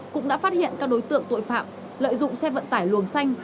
cũng đã phát hiện các đối tượng tội phạm lợi dụng xe vận tải luồng xanh